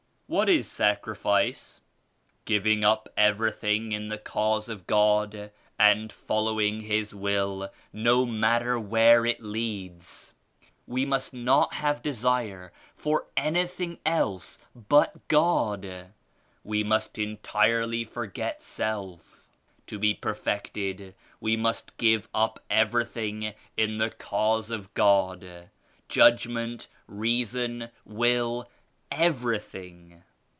"What is sacrifice?" "Giving up everything in the Cause of God and following His Will no matter where it leads. We must not have desire for anything else but God. We must entirely forget self. To be per fected we must give up everything in the Cause of God ; judgment, reason, will, everything.